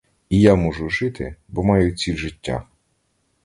І я можу жити, бо маю ціль життя.